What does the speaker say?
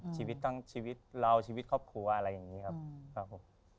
ชีวิตตั้งชีวิตเราชีวิตครอบครัวอะไรอย่างนี้ครับครับผม